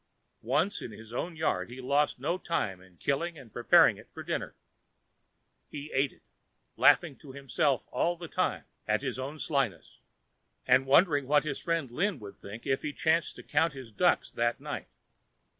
Once in his own yard, he lost no time in killing and preparing it for dinner. He ate it, laughing to himself all the time at his own slyness, and wondering what his friend Lin would think if he chanced to count his ducks that night.